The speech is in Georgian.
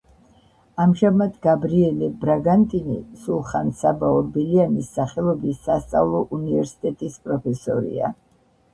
ამჟამად გაბრიელე ბრაგანტინი სულხან-საბა ორბელიანის სახელობის სასწავლო უნივერსიტეტის პროფესორია.